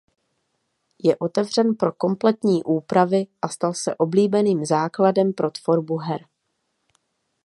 Je otevřen pro kompletní úpravy a stal se oblíbeným základem pro tvorbu her.